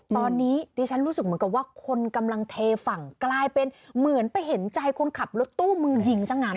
ตอนนี้ดิฉันรู้สึกเหมือนกับว่าคนกำลังเทฝั่งกลายเป็นเหมือนไปเห็นใจคนขับรถตู้มือยิงซะงั้น